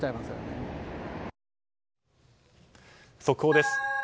速報です。